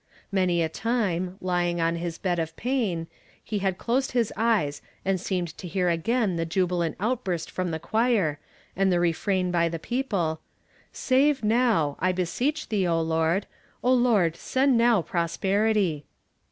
Many a time, lying on his bed of pain, he had closed his eyes and seemed to hear again the jubilant outburst from the choir, and the refrain by the people :" Save now, I be seech thee, O Lord; O Lord send now prosper ity."